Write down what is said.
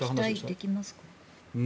期待できますか？